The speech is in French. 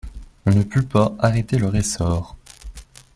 On ne put pas arrêter leur essor.